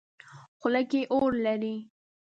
خوله کې اور لري.